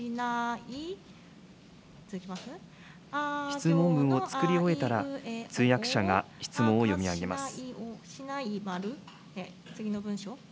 質問文をつくり終えたら、通訳者が質問を読み上げます。